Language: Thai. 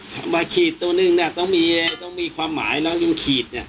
ถ้ามาขีดตัวนึงน่ะต้องมีต้องมีความหมายแล้วยังขีดน่ะ